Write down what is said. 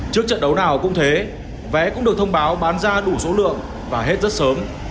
trước trận đấu nào cũng thế vé cũng được thông báo bán ra đủ số lượng và hết rất sớm